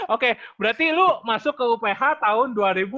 oke berarti lu masuk ke uph tahun dua ribu dua